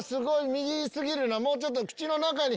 右過ぎるなもうちょっと口の中に。